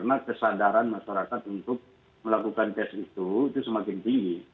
karena kesadaran masyarakat untuk melakukan tes itu itu semakin tinggi